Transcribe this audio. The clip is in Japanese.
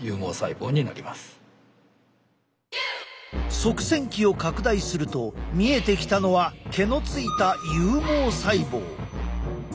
側線器を拡大すると見えてきたのは毛のついた有毛細胞。